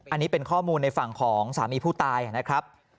อันนี้เป็นข้อมูลในฝั่งของสามีผู้ตายนะครับ